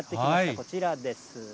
こちらです。